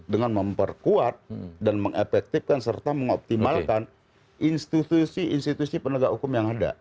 dengan memperkuat dan mengefektifkan serta mengoptimalkan institusi institusi penegak hukum yang ada